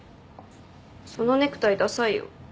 そのネクタイださいよ。